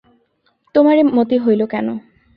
তোমার এ মতি হইল কেন।